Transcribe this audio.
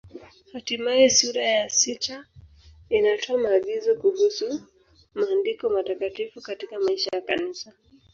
Hatimaye sura ya sita inatoa maagizo kuhusu Maandiko Matakatifu katika maisha ya Kanisa.